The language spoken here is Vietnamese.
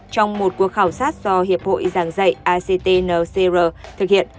trong một cuộc khảo sát do hiệp hội giảng dạy act ncr thực hiện